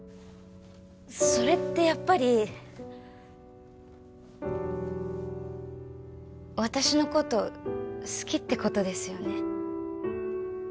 それってやっぱり私のこと好きってことですよね？